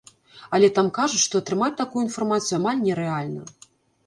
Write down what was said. Але там кажуць, што атрымаць такую інфармацыю амаль нерэальна.